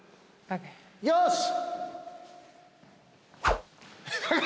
よし！